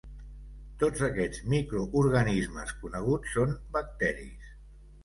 Tots aquests microorganismes coneguts són bacteris.